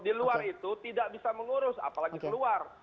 di luar itu tidak bisa mengurus apalagi keluar